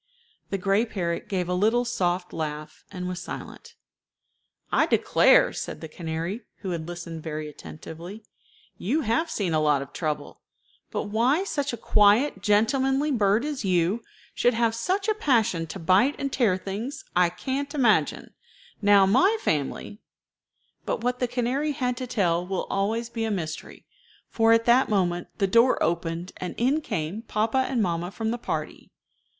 The gray parrot gave a little soft laugh, and was silent. "I declare," said the canary, who had listened very attentively, "you have seen a lot of trouble. But why such a quiet, gentlemanly bird as you should have such a passion to bite and tear things, I can't imagine. Now my family " But what the canary had to tell will always be a mystery, for at that moment the door opened and in came papa and mamma from the party.